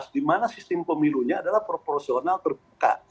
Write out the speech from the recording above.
di mana sistem pemilunya adalah proporsional terbuka